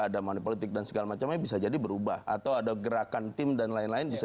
ada money politik dan segala macamnya bisa jadi berubah atau ada gerakan tim dan lain lain bisa